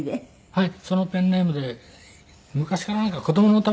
はい。